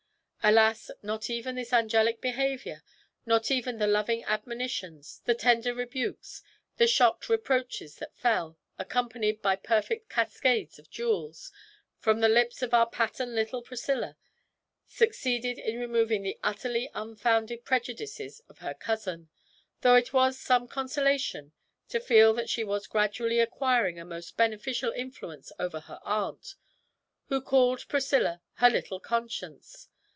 Alas! not even this angelic behaviour, not even the loving admonitions, the tender rebukes, the shocked reproaches that fell, accompanied by perfect cascades of jewels, from the lips of our pattern little Priscilla, succeeded in removing the utterly unfounded prejudices of her cousins, though it was some consolation to feel that she was gradually acquiring a most beneficial influence over her aunt, who called Priscilla 'her little conscience.'